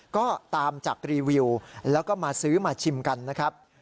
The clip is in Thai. ก็ตามจากรีวิวแล้วก็มาซื้อมาชิมกันนะครับ